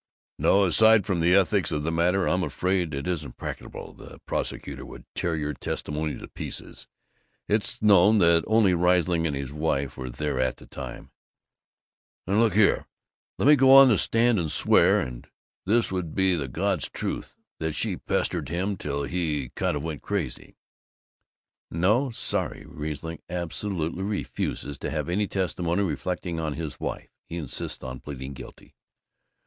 "No. Aside from the ethics of the matter, I'm afraid it isn't practicable. The prosecutor would tear your testimony to pieces. It's known that only Riesling and his wife were there at the time." "Then, look here! Let me go on the stand and swear and this would be the God's truth that she pestered him till he kind of went crazy." "No. Sorry. Riesling absolutely refuses to have any testimony reflecting on his wife. He insists on pleading guilty."